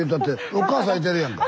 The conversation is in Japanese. お母さんいてるやんか。